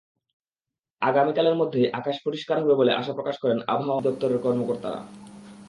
আগামীকালের মধ্যেই আকাশ পরিষ্কার হবে বলে আশা প্রকাশ করেন আবহাওয়া অধিদপ্তরের কর্মকর্তারা।